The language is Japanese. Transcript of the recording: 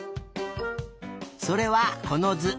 それはこのず。